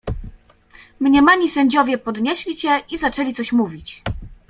"Mniemani sędziowie podnieśli się i zaczęli coś mówić."